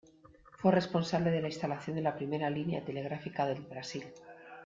Fue responsable de la instalación de la primera línea telegráfica del Brasil.